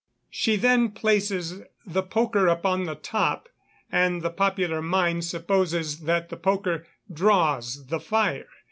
She then places the poker upon the top, and the popular mind supposes that the poker "draws" the fire.